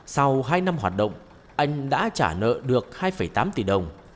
sau hai năm hoạt động anh đã trả nợ được hai tám tỷ đồng